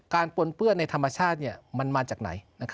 ปนเปื้อนในธรรมชาติมันมาจากไหน